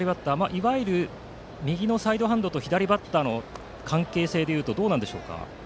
いわゆる右のサイドハンドと左バッターの関係性でいうとどうなんでしょうか。